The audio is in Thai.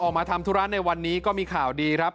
มาทำธุระในวันนี้ก็มีข่าวดีครับ